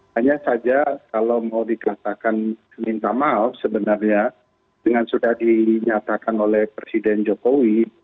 hanya saja kalau mau dikatakan minta maaf sebenarnya dengan sudah dinyatakan oleh presiden jokowi